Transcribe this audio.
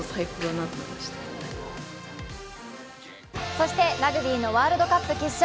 そしてラグビーのワールドカップ決勝